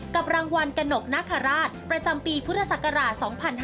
กับรางวัลกระหนกนาคาราชประจำปีพุทธศักราช๒๕๕๙